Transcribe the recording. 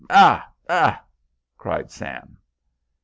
Ha! ha!" cried Sam.